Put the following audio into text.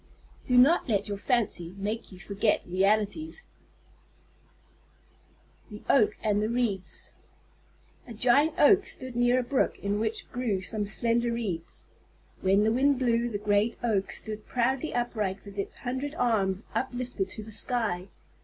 Do not let your fancy make you forget realities. THE OAK AND THE REEDS A Giant Oak stood near a brook in which grew some slender Reeds. When the wind blew, the great Oak stood proudly upright with its hundred arms uplifted to the sky.